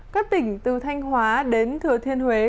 các tỉnh từ thanh hóa đến thừa thiên huế